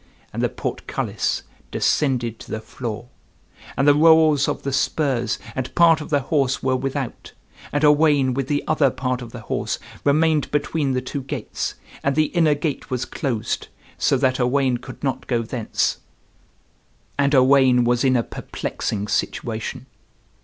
And the portcullis descended to the floor. And the rowels of the spurs and part of the horse were without, and Owain with the other part of the horse remained between the two gates, and the inner gate was closed, so that Owain could not go thence; and Owain was in a perplexing situation.